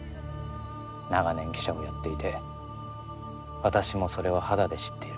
長年記者をやっていて私もそれは肌で知っている。